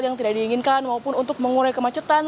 yang tidak diinginkan maupun untuk mengurai kemacetan